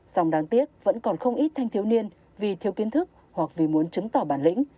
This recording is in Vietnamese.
sòng đáng tiếc vẫn còn không ít thanh thiếu niên vì thiếu kiến thức hoặc vì muốn chứng tỏ bản lĩnh